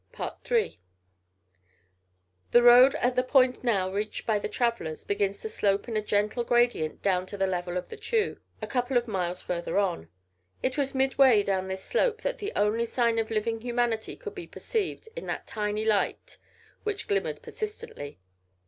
III The road at the point now reached by the travellers begins to slope in a gentle gradient down to the level of the Chew, a couple of miles further on: it was midway down this slope that the only sign of living humanity could be perceived in that tiny light which glimmered persistently.